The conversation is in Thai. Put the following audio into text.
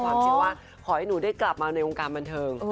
ความจริงว่าขอให้หนูได้กลับมาในองค์การบันเทิง